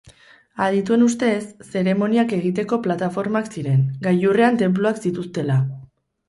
Adituen ustez, zeremoniak egiteko plataformak ziren, gailurrean tenpluak zituztela.